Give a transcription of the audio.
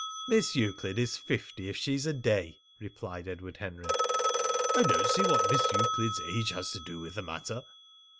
"Miss Euclid is fifty if she's a day," replied Edward Henry. "I don't see what Miss Euclid's age has to do with the matter."